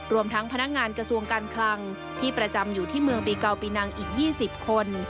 รวมทั้งพนักงานกระทรวงการคลังที่ประจำอยู่ที่เมืองปีเก่าปีนังอีก๒๐คน